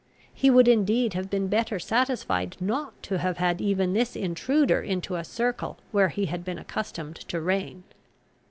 He would indeed have been better satisfied not to have had even this intruder into a circle where he had been accustomed to reign.